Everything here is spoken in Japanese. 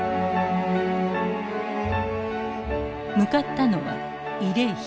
向かったのは慰霊碑。